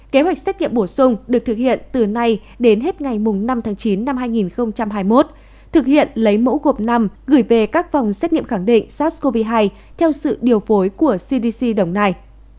kế hoạch xét nghiệm bổ sung được thực hiện từ nay đến hết ngày năm tháng chín năm hai nghìn hai mươi một thực hiện lấy mẫu gộp năm gửi về các phòng xét nghiệm khẳng định sars cov hai theo sự điều phối của cdc đồng nai